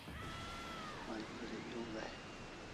Malgeri ew dai